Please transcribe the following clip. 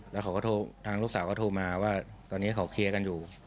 แล้วเขาก็โทรทางลูกสาวก็โทรมาว่าตอนนี้เขาเคลียร์กันอยู่